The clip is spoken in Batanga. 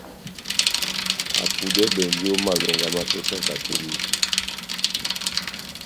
Apudɛbɛndi ó malonga má sɔsi ya katoliki.